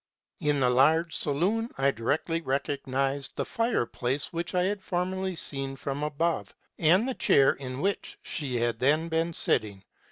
In the large saloon I directly recognized the fireplace which I had formerly seen from above, and the chair in which she had then been sitting.